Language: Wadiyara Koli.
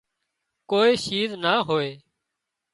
ڪوئي شيِز نِا هوئي